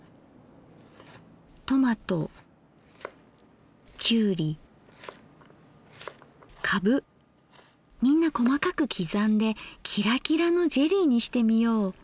トマトきゅうりカブみんな細かく刻んでキラキラのジェリーにしてみよう。